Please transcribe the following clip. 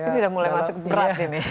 ini udah mulai masuk berat ini